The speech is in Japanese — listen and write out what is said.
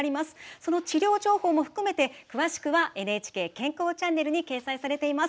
その治療情報も含めて詳しくは「ＮＨＫ健康チャンネル」に掲載されています。